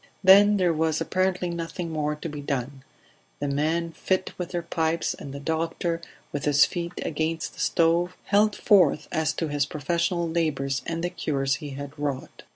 Then there was apparently nothing more to be done; the men lit their pipes, and the doctor, with his feet against the stove, held forth as to his professional labours and the cures he had wrought.